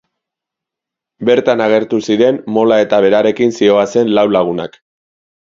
Bertan agertu ziren Mola eta berarekin zihoazen lau lagunak.